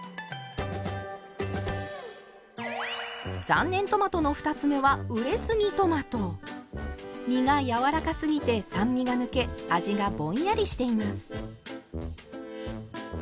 残念トマトの２つ目は実がやわらかすぎて酸味が抜け味がぼんやりしています。